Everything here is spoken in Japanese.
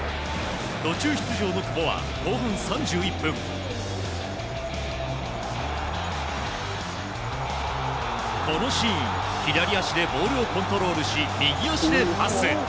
途中出場の久保は後半３１分このシーン、左足でボールをコントロールし右足でパス。